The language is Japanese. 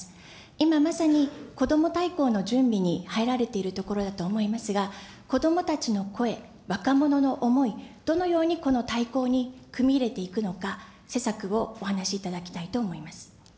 今まさにこども大綱の準備に入られているところだと思いますが、子どもたちの声、若者の思い、どのようにこの大綱に組み入れていくのか、施策をお話しいただきたいと思います。